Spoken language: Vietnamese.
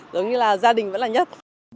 giống như là gia đình vẫn là nhất